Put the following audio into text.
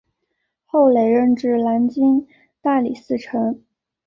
后累任至南京大理寺丞。